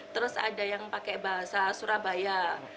terus ada yang pakai bahasa surabaya